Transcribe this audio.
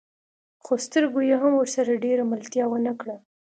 خو سترګو يې هم ورسره ډېره ملتيا ونه کړه.